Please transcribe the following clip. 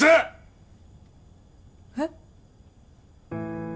えっ？